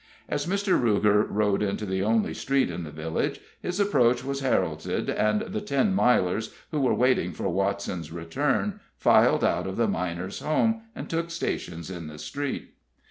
As Mr. Ruger rode into the only street in the village, his approach was heralded, and the Ten Milers, who were waiting for Watson's return, filed out of the Miners' Home, and took stations in the street.